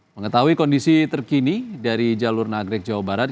mengetahui kondisi terkini dari jalur nagrek jawa barat